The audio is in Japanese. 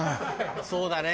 そうだね。